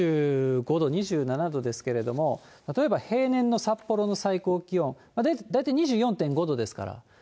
これも２５度、２７度ですけれども、例えば平年の札幌の最高気温、大体２４．５度ですから。